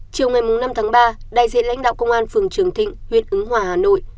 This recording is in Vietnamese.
chiều ngày năm tháng ba đại diện lãnh đạo công an phường trường thịnh huyện ứng hòa hà nội